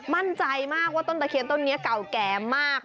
มั่นใจมากว่าต้นตะเคียนต้นนี้เก่าแก่มาก